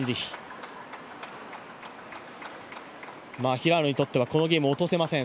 平野にとってはこのゲーム落とせません。